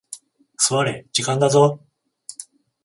座れ、時間だぞ。